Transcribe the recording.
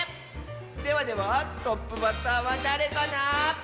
ではではトップバッターはだれかな？